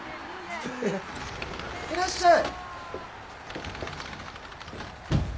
いらっしゃい。